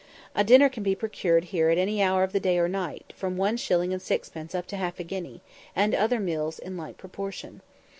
A dinner can be procured here at any hour of day or night, from one shilling and sixpence up to half a guinea, and other meals in like proportion.